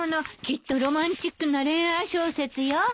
きっとロマンチックな恋愛小説よ。